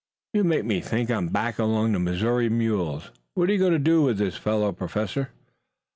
"You make me think I'm back among the Missouri mules. What are we going to do with this fellow, Professor?"